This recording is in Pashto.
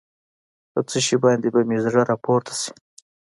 په څه شي باندې به مې زړه راپورته شي.